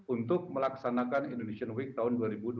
untuk melaksanakan indonesian week tahun dua ribu dua puluh